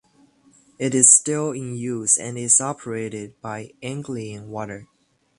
It is still in use and is operated by Anglian Water.